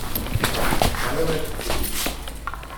Violet Cliff